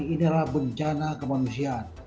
ini adalah bencana kemanusiaan